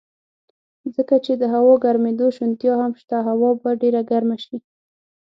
ځکه چې د هوا ګرمېدو شونتیا هم شته، هوا به ډېره ګرمه شي.